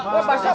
mas idan masuk